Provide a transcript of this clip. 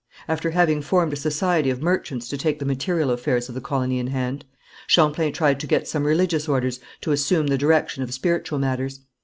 After having formed a society of merchants to take the material affairs of the colony in hand, Champlain tried to get some religious orders to assume the direction of spiritual matters.